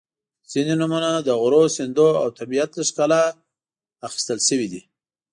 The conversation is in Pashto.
• ځینې نومونه د غرونو، سیندونو او طبیعت له ښکلا نه اخیستل شوي دي.